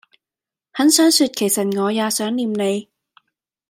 很想說其實我也想念你